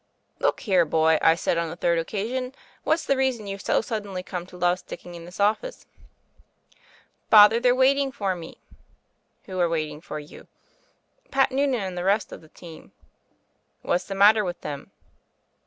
"Look here, boy," I said on the third occa sion, "what's the reason you've so suddenly come to love sticking in this office?" "Father, they're waiting for me." "Who are waiting for you?" "Pat Noonan and the rest of the team." "What's the matter with them?"